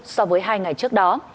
so với hai ngày trước đó